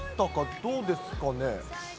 どうですかね。